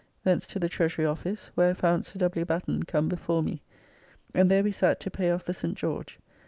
Thence to the Treasury Office, where I found Sir W. Batten come before me, and there we sat to pay off the St. George.